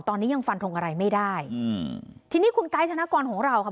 ตอนนี้ยังฟันทงอะไรไม่ได้อืมทีนี้คุณไกด์ธนกรของเราค่ะ